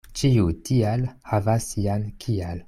Ĉiu "tial" havas sian "kial".